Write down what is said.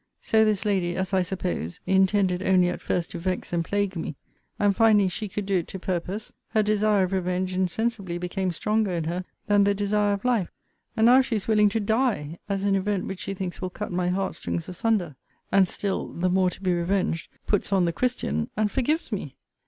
So this lady, as I suppose, intended only at first to vex and plague me; and, finding she could do it to purpose, her desire of revenge insensibly became stronger in her than the desire of life; and now she is willing to die, as an event which she thinks will cut my heart strings asunder. And still, the more to be revenged, puts on the Christian, and forgives me.